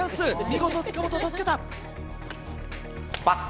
見事塚本助けた！パス！